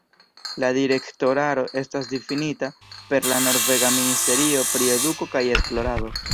La direktoraro estas difinita per la norvega ministerio pri eduko kaj esplorado.